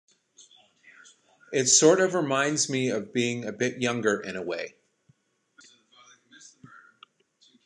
It sort of reminds me of being a bit younger in a way.